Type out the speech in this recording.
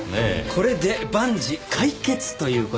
これで万事解決という事ですね。